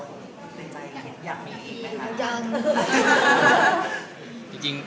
ในใจเห็นยังมีไหมคะ